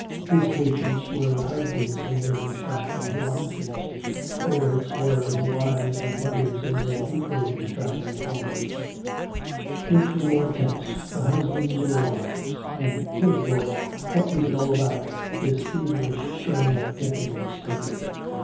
His patients were the husbands in their distracting offices. Baird's were the wives and mothers in their equally distracting homes. Which were more tense, the husbands or wives? And, good Lord, what was it all about, this feverish strain of getting and spending?